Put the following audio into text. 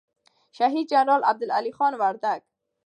شهید جنرال عبدالعلي خان وردگ